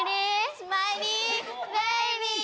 スマイリー。